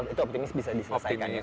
itu optimis bisa diselesaikan ya